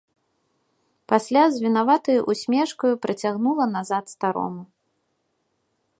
Пасля з вінаватаю ўсмешкаю працягнула назад старому.